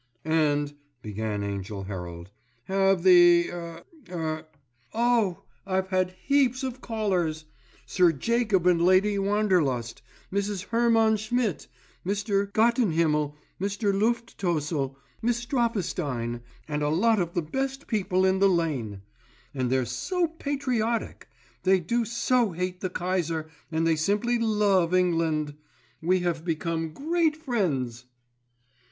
"And," began Angell Herald, "have the er—er——" "Oh! I've had heaps of callers. Sir Jacob and Lady Wanderlust, Mrs. Hermann Schmidt, Mr. Gottinhimmel, Mr. Lüftstoessel, Miss Strafestein, and a lot of the best people in The Lane. And they're so patriotic. They do so hate the Kaiser, and they simply love England. We have become great friends."